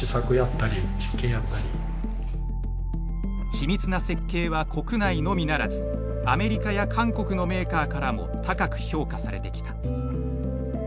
緻密な設計は国内のみならずアメリカや韓国のメーカーからも高く評価されてきた。